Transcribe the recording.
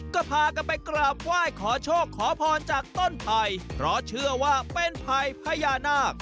ก็พากันไปกราบไหว้ขอโชคขอพรจากต้นไผ่เพราะเชื่อว่าเป็นภัยพญานาค